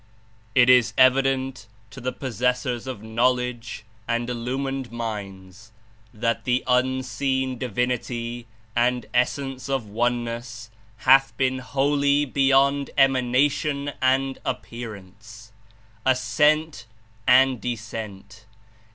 "It Is evident to the possessors of Knowledge and illumined minds that the Unseen Divinity and Essence of Oneness hath been holy beyond emanation and ap pearance, ascent and descent.